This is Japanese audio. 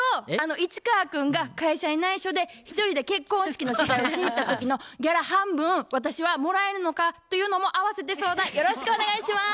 市川君が会社にないしょで一人で結婚式の司会をしにいった時のギャラ半分私はもらえるのかというのもあわせて相談よろしくお願いします。